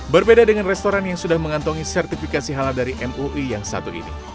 berbeda dengan restoran yang sudah mengantongi sertifikasi halal dari mui yang satu ini